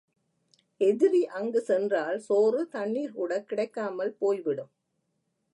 எதிரி அங்குச் சென்றால் சோறு தண்ணிர் கூடக் கிடைக்காமல் போய்விடும்.